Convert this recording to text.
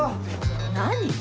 何？